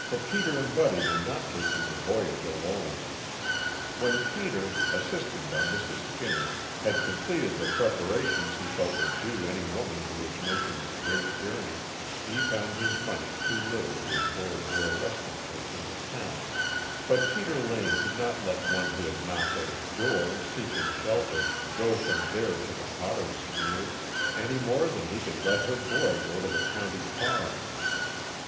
For Peter and Buddy were not taking the voyage alone. When Peter, assisted by Mrs. Skinner, had completed the preparations he felt were due any woman who is making the Great Journey, he found his money too little to afford her a resting place in the town, but Peter Lane could not let one who had knocked at his door, seeking shelter, go from there to the potter's field, any more than he could let her boy go to the county farm.